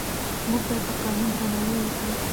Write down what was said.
موږ باید د قانون درناوی وکړو.